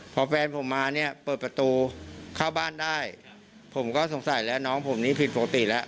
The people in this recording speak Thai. พอแฟนผมมาเนี่ยเปิดประตูเข้าบ้านได้ผมก็สงสัยแล้วน้องผมนี่ผิดปกติแล้ว